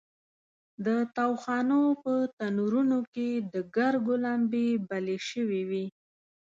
د تاوخانو په تنورونو کې د ګرګو لمبې بلې شوې وې.